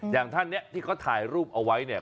อย่างท่านเนี่ยที่เขาถ่ายรูปเอาไว้เนี่ย